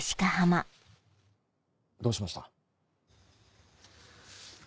どうしました？